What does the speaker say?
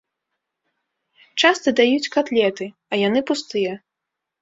Часта даюць катлеты, а яны пустыя.